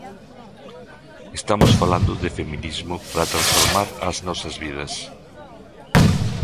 Estamos falando de feminismo para transformar ás nosas vidas.